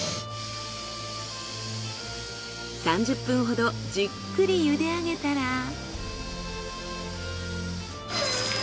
３０分ほどじっくり茹で上げたら。